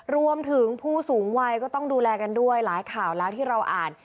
รวมถึงผู้สูงวัยก็ต้องดูแลกันด้วยหลายข่าวแล้วที่เราอ่าน